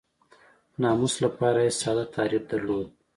ناموس لپاره یې ساده تعریف درلود.